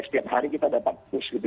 setiap hari kita dapat bus gitu